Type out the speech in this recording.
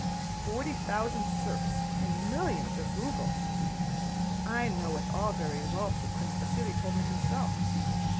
Forty thousand serfs and millions of rubles! I know it all very well for Prince Vasíli told me himself.